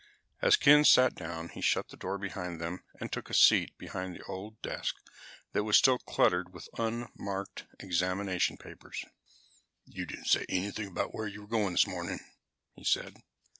As Ken sat down, he shut the door behind them and took a seat behind his old oak desk that was still cluttered with unmarked examination papers. "You didn't say anything about where you were going this morning," he said.